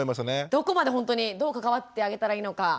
どこまでほんとにどう関わってあげたらいいのか。